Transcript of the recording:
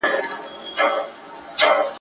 د ښکاریانو له دامونو غورځېدلی !.